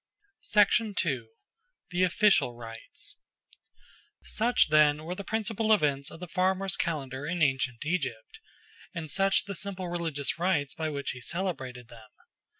2. The Official Rites SUCH, then, were the principal events of the farmer's calendar in ancient Egypt, and such the simple religious rites by which he celebrated them.